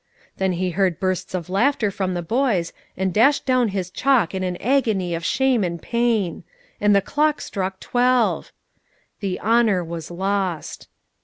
Then he heard bursts of laughter from the boys, and dashed down his chalk in an agony of shame and pain. And the clock struck twelve! The honour was lost.